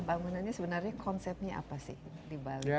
bangunannya sebenarnya konsepnya apa sih di bali